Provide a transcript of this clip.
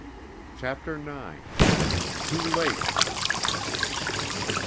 CHAPTER IX Too Late!